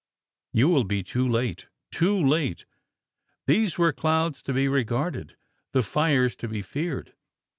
You will be too late too late!" These were clouds to be regarded the fires to be feared.